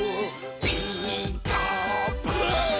「ピーカーブ！」